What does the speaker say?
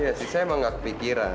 iya sih saya emang enggak kepikiran